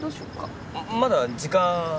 まだ時間。